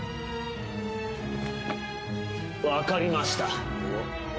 分かりました。